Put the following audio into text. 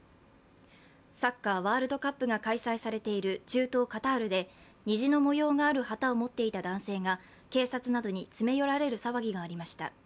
サッカーワールドカップが開催されている中東カタールで虹の模様がある旗を持っていた男性が警察などに詰め寄られる騒ぎがありました。